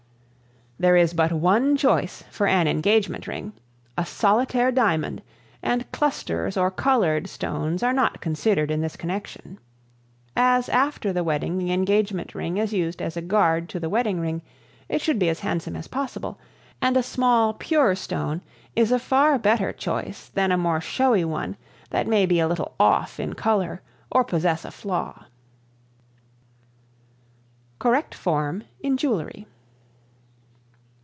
There is but one choice for an engagement ring, a solitaire diamond, and clusters or colored stones are not considered in this connection. As after the wedding the engagement ring is used as a guard to the wedding ring, it should be as handsome as possible, and a small, pure stone is a far better choice than a more showy one that may be a little off in color or possess a flaw. Correct Form in Jewelry.